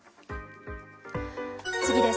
次です。